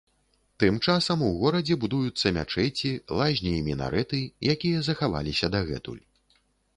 Тым часам у горадзе будуюцца мячэці, лазні і мінарэты, якія захаваліся дагэтуль.